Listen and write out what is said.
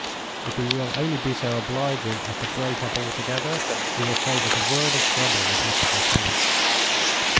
If he will only be so obliging as to break up altogether, he will save us a world of trouble with Mrs. Lecount."